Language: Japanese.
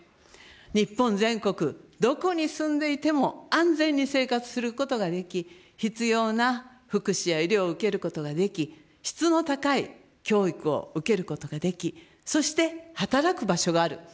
日本全国どこに住んでいても安全に生活することができ、必要な福祉や医療を受けることができ、質の高い教育を受けることができ、そして、働く場所がある。